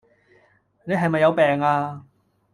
你係咪有病呀